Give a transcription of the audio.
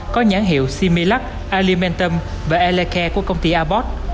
có nhãn hiệu similac alimentum và elecare của công ty airbus